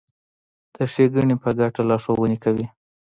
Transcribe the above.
د ښېګڼې په ګټه لارښوونې کوي.